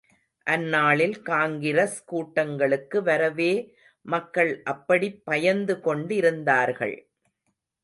அந்நாளில் காங்கிரஸ் கூட்டங்களுக்கு வரவே மக்கள் அப்படிப் பயந்து கொண்டிருந்தார்கள்.